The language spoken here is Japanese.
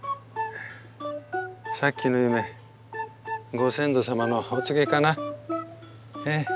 さっきの夢ご先祖様のお告げかな？